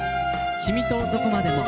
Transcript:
「君とどこまでも」